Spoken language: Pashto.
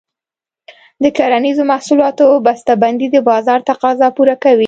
د کرنیزو محصولاتو بسته بندي د بازار تقاضا پوره کوي.